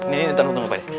nih ntar nunggu pak de